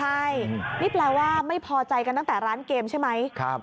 ใช่นี่แปลว่าไม่พอใจกันตั้งแต่ร้านเกมใช่ไหม